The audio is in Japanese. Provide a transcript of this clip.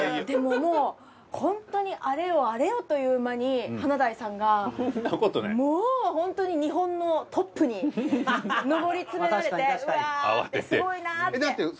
でももうホントにあれよあれよという間に華大さんがもうホントに日本のトップに上り詰められてうわぁってすごいなって。